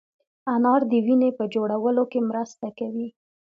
انار د وینې په جوړولو کې مرسته کوي.